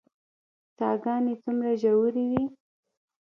څاه ګانې څومره ژورې وي؟